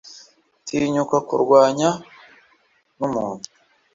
tinyuka kurwanya. numuntu